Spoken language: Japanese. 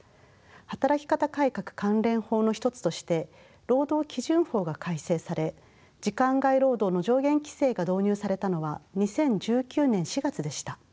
働き方改革関連法の一つとして労働基準法が改正され時間外労働の上限規制が導入されたのは２０１９年４月でした。